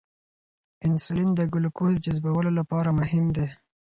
انسولین د ګلوکوز جذبولو لپاره مهم دی.